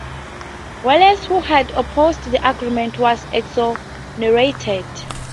Wellesley, who had opposed the agreement, was exonerated.